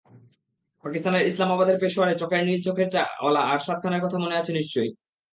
পাকিস্তানের ইসলামাবাদের পেশোয়ার চকের নীল চোখের চা-ওয়ালা আরশাদ খানের কথা মনে আছে নিশ্চয়ই।